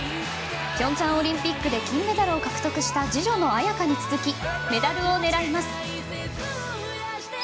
平昌オリンピックで金メダルを獲得した次女の彩花に続きメダルを狙います。